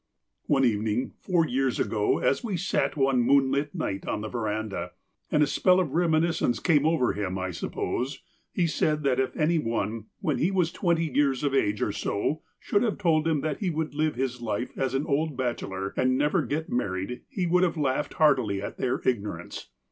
One evening, four years ago, as we sat one moonlit night on the verandah, and a spell of reminiscence came over him, I suppose, he said that if any one, when he was twenty years of age or so, should have told him that he would live his life as an old bachelor and never get married, he would have laughed heartily at their igno rance.